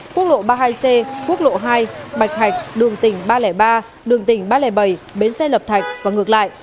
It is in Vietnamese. quốc lộ ba mươi hai c quốc lộ hai bạch hạch đường tỉnh ba trăm linh ba đường tỉnh ba trăm linh bảy bến xe lập thạch và ngược lại